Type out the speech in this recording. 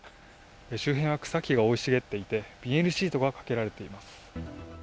周辺は草木が生い茂っていて、ビニールシートがかけられています。